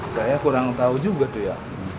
saya kurang tahu juga tuh ya